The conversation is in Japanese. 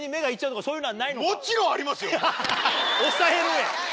抑えろよ！